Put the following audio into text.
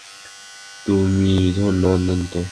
তুমি ধন্য অন্তু!